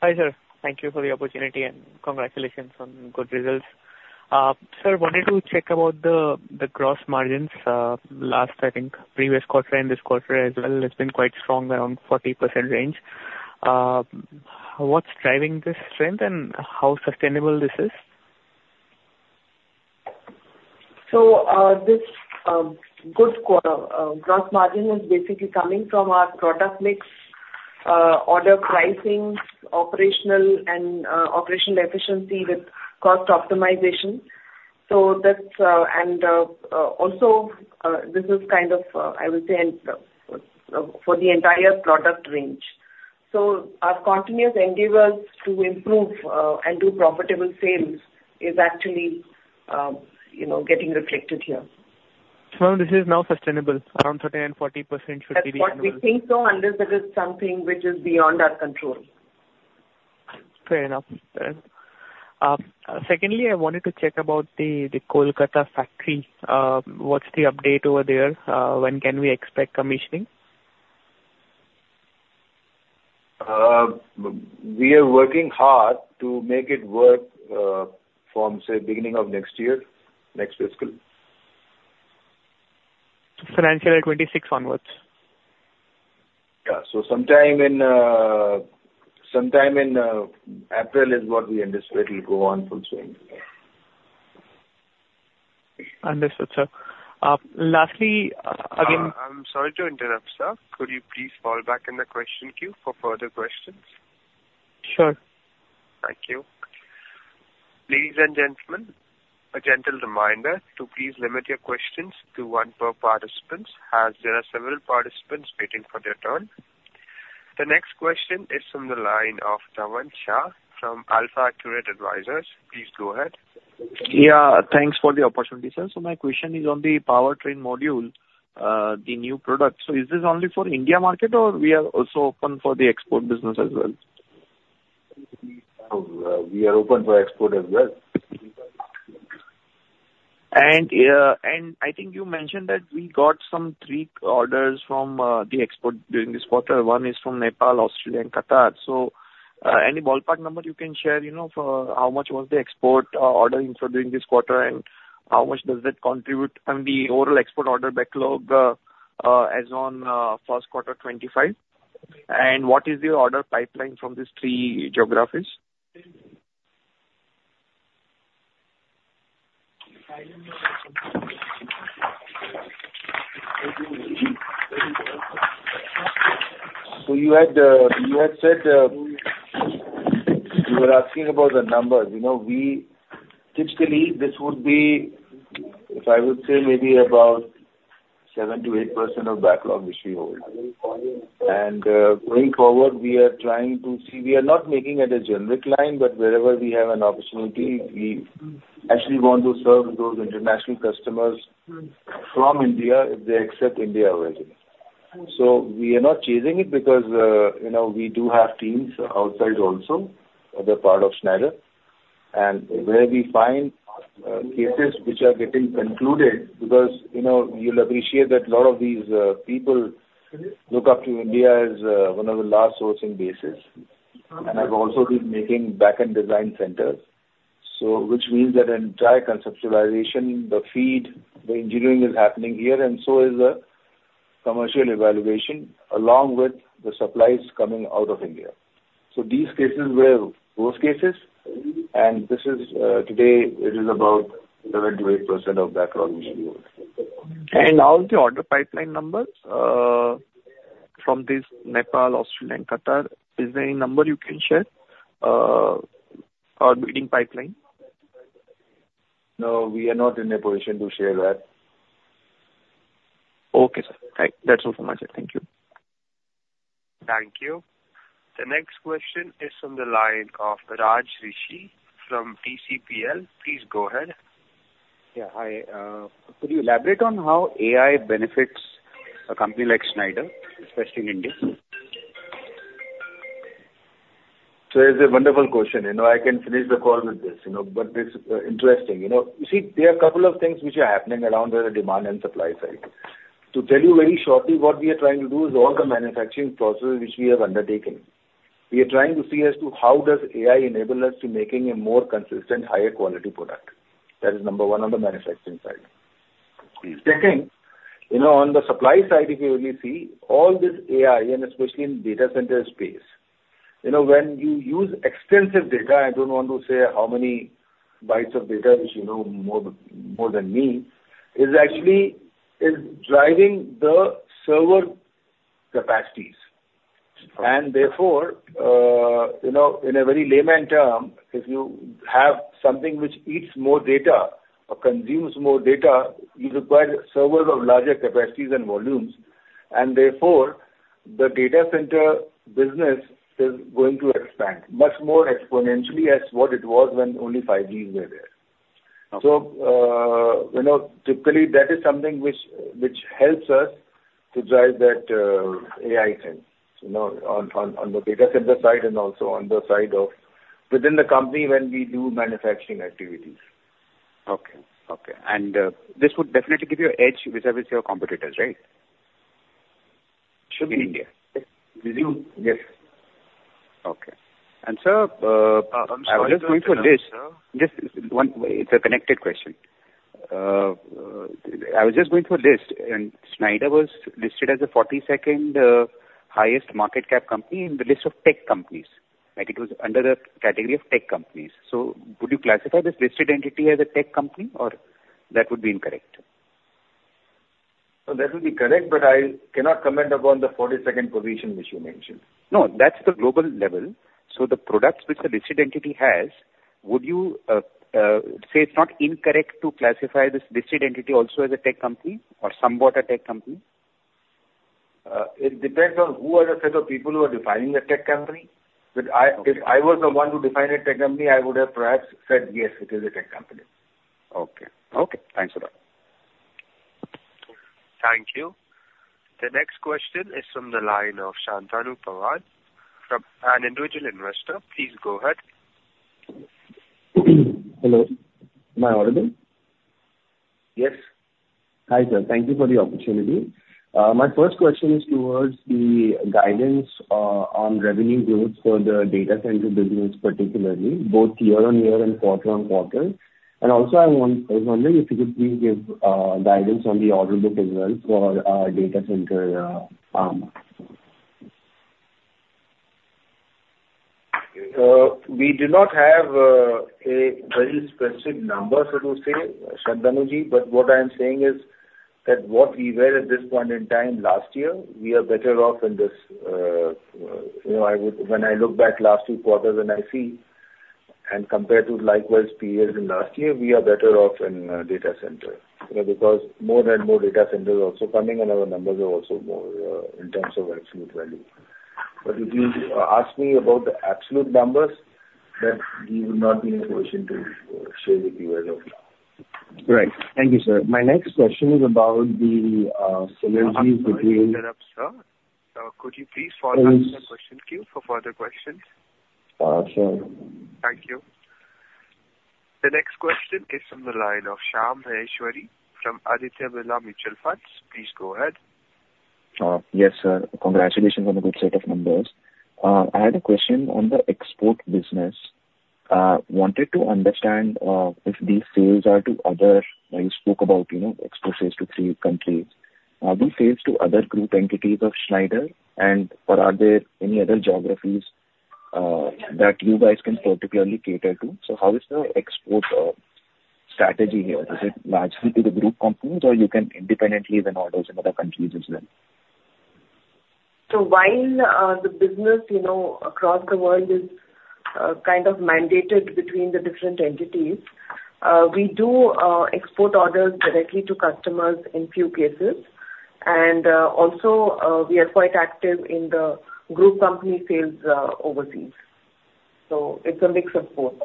Hi, sir. Thank you for the opportunity, and congratulations on good results. Sir, wanted to check about the, the gross margins, last, I think, previous quarter and this quarter as well. It's been quite strong, around 40% range. What's driving this trend and how sustainable is this? So, this good quarter gross margin is basically coming from our product mix, order pricing, operational efficiency with cost optimization. So that's also this is kind of, I would say, for the entire product range. So our continuous endeavors to improve and do profitable sales is actually, you know, getting reflected here. This is now sustainable, around 30 and 40% should be sustainable. That's what we think so, unless it is something which is beyond our control. Fair enough. Secondly, I wanted to check about the Kolkata factory. When can we expect commissioning? We are working hard to make it work from, say, beginning of next year, next fiscal. Financial 26 onwards? Yeah. So sometime in April is what we anticipate it'll go on full swing. Understood, sir. Lastly, again- I'm sorry to interrupt, sir. Could you please fall back in the question queue for further questions? Sure. Thank you. Ladies and gentlemen, a gentle reminder to please limit your questions to one per participant, as there are several participants waiting for their turn. The next question is from the line of Dhaval Shah from Alpha Accurate Advisors. Please go ahead. Yeah, thanks for the opportunity, sir. So my question is on the Powertrain Module, the new product. So is this only for India market, or we are also open for the export business as well? We are open for export as well. I think you mentioned that we got some three orders from the export during this quarter. One is from Nepal, Australia, and Qatar. So, any ballpark number you can share, you know, for how much was the export ordering for during this quarter, and how much does that contribute, and the overall export order backlog as on first quarter 2025? And what is the order pipeline from these three geographies? So you had said you were asking about the numbers. You know, we typically, this would be, if I would say, maybe about 7%-8% of backlog which we hold. And going forward, we are trying to see. We are not making it a generic line, but wherever we have an opportunity, we actually want to serve those international customers from India if they accept India origin. So we are not chasing it because, you know, we do have teams outside also, other part of Schneider. And where we find cases which are getting concluded, because, you know, you'll appreciate that a lot of these people look up to India as one of the large sourcing bases. And have also been making back-end design centers, so which means that the entire conceptualization, the feed, the engineering is happening here, and so is the commercial evaluation, along with the supplies coming out of India. So these cases were those cases, and this is, today, it is about 7%-8% of backlog which we hold. All the order pipeline numbers from Nepal, Australia, and Qatar, is there any number you can share, or leading pipeline? No, we are not in a position to share that. Okay, sir. That's all from my side. Thank you. Thank you. The next question is from the line of Raj Rishi from TCPL. Please go ahead. Yeah, hi. Could you elaborate on how AI benefits a company like Schneider, especially in India? So it's a wonderful question. You know, I can finish the call with this, you know, but it's interesting. You know, you see, there are a couple of things which are happening around the demand and supply side. To tell you very shortly, what we are trying to do is all the manufacturing processes which we have undertaken, we are trying to see as to how does AI enable us to making a more consistent, higher quality product. That is number one on the manufacturing side. Please. Second, you know, on the supply side, if you only see all this AI, and especially in data center space, you know, when you use extensive data, I don't want to say how many bytes of data, which you know more than me, is actually driving the server capacities. And therefore, you know, in a very layman term, if you have something which eats more data or consumes more data, you require servers of larger capacities and volumes, and therefore, the data center business is going to expand much more exponentially as what it was when only 5Gs were there. Okay. You know, typically, that is something which helps us to drive that AI thing, you know, on the data center side and also on the side of within the company when we do manufacturing activities. Okay. Okay. This would definitely give you an edge vis-a-vis your competitors, right? Should be. In India. Yes. Okay. And, sir, I'm sorry to interrupt, sir. Just one, it's a connected question. I was just going through a list, and Schneider was listed as the forty-second highest market cap company in the list of tech companies. Like, it was under the category of tech companies. So would you classify this listed entity as a tech company, or that would be incorrect? That would be correct, but I cannot comment upon the 42nd position which you mentioned. No, that's the global level. So the products which the listed entity has, would you say it's not incorrect to classify this listed entity also as a tech company or somewhat a tech company? It depends on who are the set of people who are defining a tech company. Okay. But if I was the one to define a tech company, I would have perhaps said, "Yes, it is a tech company. Okay. Okay, thanks a lot. Thank you. The next question is from the line of Shantanu Pawar, from an individual investor. Please go ahead. Hello, am I audible? Yes. Hi, sir. Thank you for the opportunity. My first question is towards the guidance on revenue growth for the data center business, particularly both year-on-year and quarter-on-quarter. And also I want... I was wondering if you could please give guidance on the order book as well for our data center arm. We do not have a very specific number, so to say, Shantanu Ji, but what I am saying is that what we were at this point in time last year, we are better off in this. You know, I would. When I look back last two quarters and I see, and compared to likewise periods in last year, we are better off in data center. You know, because more and more data centers are also coming, and our numbers are also more in terms of absolute value. But if you ask me about the absolute numbers, that we would not be in a position to share with you as of now. Right. Thank you, sir. My next question is about the synergies between- I'm sorry to interrupt, sir. Could you please follow the question queue for further questions? Uh, sure. Thank you. The next question is from the line of Shyam Maheshwari from Aditya Birla Mutual Fund. Please go ahead. Yes, sir. Congratulations on the good set of numbers. I had a question on the export business. Wanted to understand, if these sales are to other... You spoke about, you know, export sales to three countries. Are these sales to other group entities of Schneider and/or are there any other geographies, that you guys can particularly cater to? So how is the export strategy here? Is it largely to the group companies, or you can independently win orders in other countries as well? So while the business, you know, across the world is kind of mandated between the different entities, we do export orders directly to customers in few cases. Also, we are quite active in the group company sales overseas. So it's a mix of both.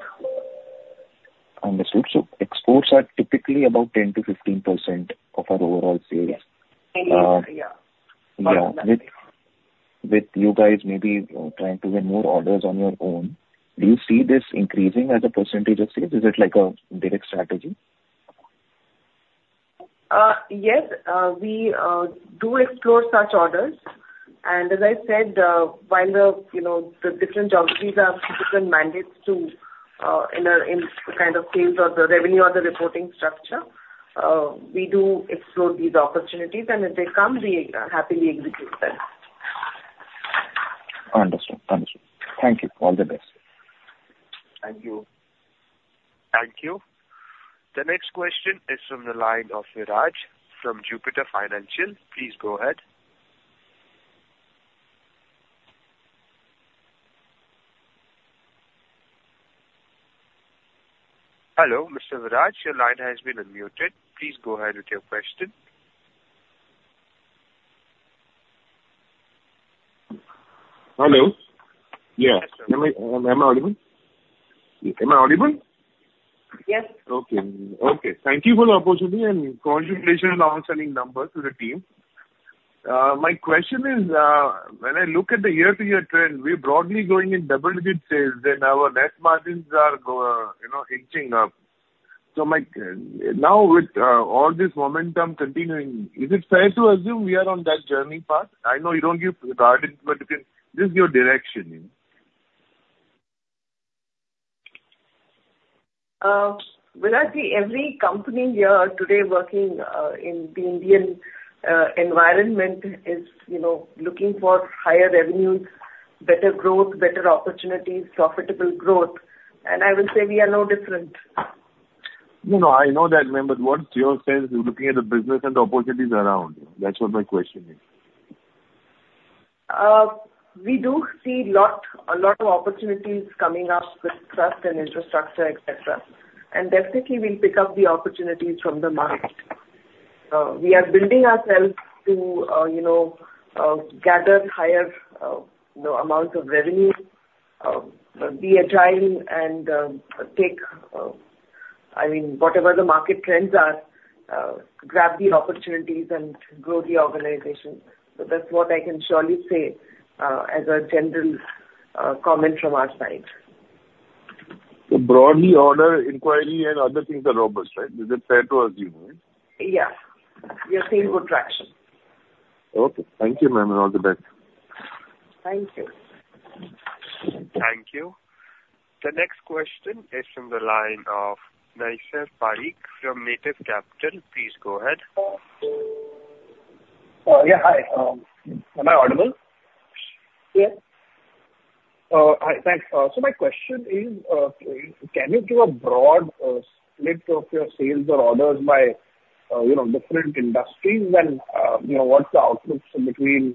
Understood. So exports are typically about 10%-15% of our overall sales? Yes. Yeah. Yeah. Approximately. With you guys maybe trying to win more orders on your own, do you see this increasing as a percentage of sales? Is it like a direct strategy? Yes, we do explore such orders. As I said, while the, you know, the different geographies have different mandates to, in a, in the kind of sales or the revenue or the reporting structure, we do explore these opportunities, and if they come, we happily execute them. Understood. Understood. Thank you. All the best. Thank you. Thank you. The next question is from the line of Viraj from Jupiter Financial. Please go ahead. Hello, Mr. Viraj, your line has been unmuted. Please go ahead with your question. Hello. Yeah. Am I, am I audible? Am I audible? Yes. Okay. Okay. Thank you for the opportunity and congratulations on selling numbers to the team. My question is, when I look at the year-to-year trend, we are broadly going in double-digit sales, then our net margins are, you know, inching up. So my, now with, all this momentum continuing, is it fair to assume we are on that journey path? I know you don't give guidance, but you can just give direction. Well, I see every company here today working in the Indian environment is, you know, looking for higher revenues, better growth, better opportunities, profitable growth. And I will say we are no different. No, no, I know that, ma'am, but what's your sense of looking at the business and the opportunities around? That's what my question is. We do see a lot of opportunities coming up with transport and infrastructure, et cetera. Definitely we'll pick up the opportunities from the market. We are building ourselves to you know gather higher you know amount of revenue be agile and take I mean whatever the market trends are grab the opportunities and grow the organization. That's what I can surely say as a general comment from our side. So broadly, order inquiry and other things are robust, right? Is it fair to assume? Yeah, we are seeing good traction. Okay. Thank you, ma'am, and all the best. Thank you. Thank you. The next question is from the line of Naisar Parikh from Native Capital. Please go ahead. Yeah, hi. Am I audible? Yes. Hi, thanks. So my question is, can you give a broad split of your sales or orders by, you know, different industries? And, you know, what's the outlook between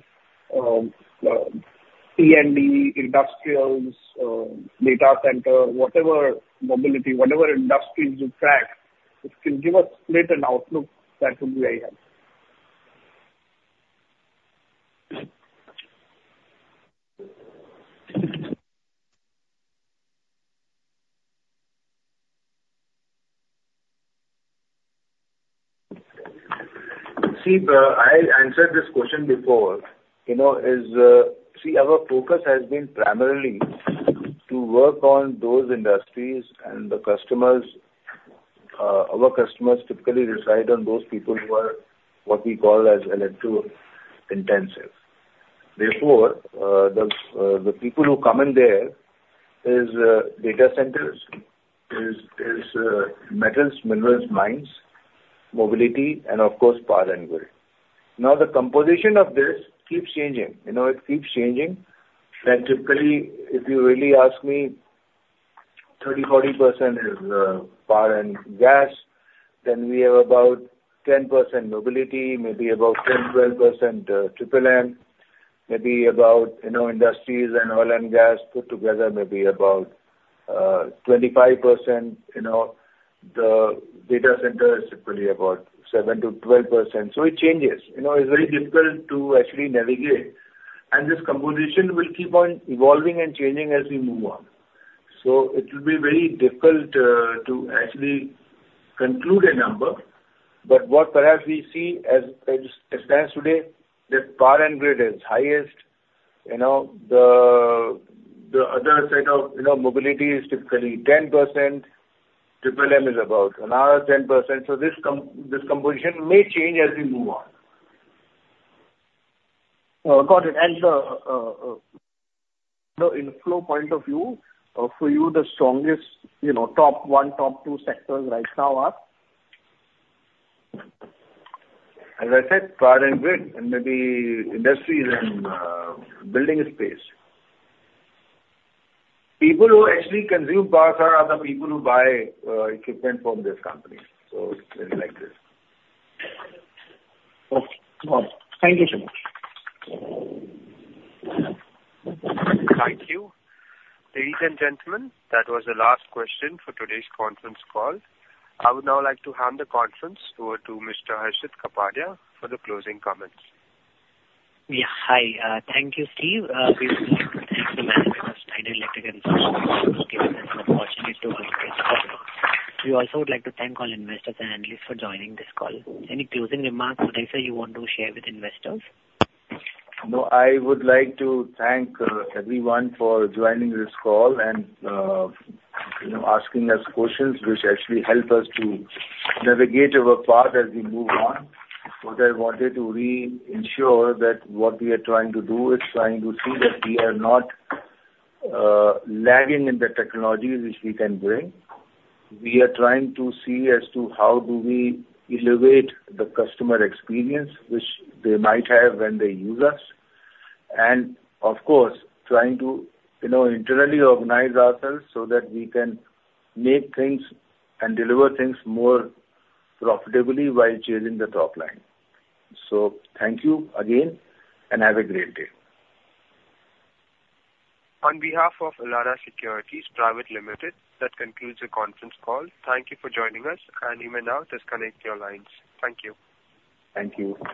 P&G, industrials, data center, whatever mobility, whatever industries you track, if you can give a split and outlook, that would be very helpful? See, I answered this question before. You know, See, our focus has been primarily to work on those industries and the customers. Our customers typically reside on those people who are, what we call as electro-intensive. Therefore, the people who come in there is data centers, metals, minerals, mines, mobility, and of course, power and grid. Now, the composition of this keeps changing. You know, it keeps changing. And typically, if you really ask me, 30-40% is power and grid, then we have about 10% mobility, maybe about 10-12%, triple M, maybe about, you know, industries and oil and gas put together, maybe about 25%. You know, the data center is typically about 7-12%. So it changes. You know, it's very difficult to actually navigate, and this composition will keep on evolving and changing as we move on. So it will be very difficult to actually conclude a number, but what perhaps we see as stands today, that power and grid is highest. You know, the other set of, you know, mobility is typically 10%. Triple M is about another 10%. So this composition may change as we move on. Got it. And, you know, in flow point of view, for you, the strongest, you know, top one, top two sectors right now are? As I said, power and grid, and maybe industries and, building space. People who actually consume power are the people who buy, equipment from this company, so it's like this. Okay. Got it. Thank you so much. Thank you. Ladies and gentlemen, that was the last question for today's conference call. I would now like to hand the conference over to Mr. Harshit Kapadia for the closing comments. Yeah, hi. Thank you, Steve. We would like to thank the management of Schneider Electric Infrastructure for this opportunity to work with you. We also would like to thank all investors and analysts for joining this call. Any closing remarks, Sir, you want to share with investors? No, I would like to thank everyone for joining this call and, you know, asking us questions which actually help us to navigate our path as we move on. What I wanted to re-ensure that what we are trying to do is trying to see that we are not lagging in the technology which we can bring. We are trying to see as to how do we elevate the customer experience, which they might have when they use us, and of course, trying to, you know, internally organize ourselves so that we can make things and deliver things more profitably while changing the top line. So thank you again, and have a great day. On behalf of Elara Securities Private Limited, that concludes the conference call. Thank you for joining us, and you may now disconnect your lines. Thank you. Thank you.